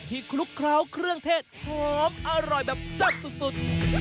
คลุกเคล้าเครื่องเทศหอมอร่อยแบบแซ่บสุด